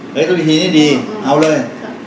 เฮ้ยเมื่อทีนี้ดีเอาเลย